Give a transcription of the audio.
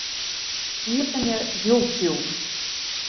Iepenje YouTube.